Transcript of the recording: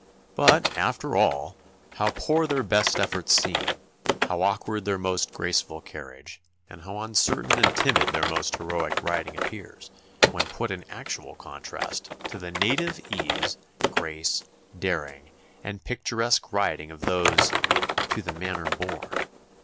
But, after all, how poor their best efforts seem, how awkward their most graceful carriage, and how uncertain and timid their most heroic riding appears when put in actual contrast to the native ease, grace, daring, and picturesque riding of those "to the manor born."